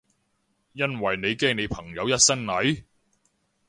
因為你驚你朋友會一身蟻？